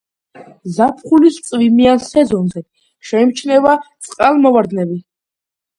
ზაფხულის წვიმიან სეზონზე შეიმჩნევა წყალმოვარდნები.